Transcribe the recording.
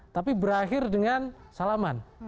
tapi berakhir dengan salaman